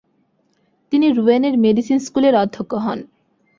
তিনি রোয়েনের মেডিসিন স্কুলের অধ্যক্ষ হন।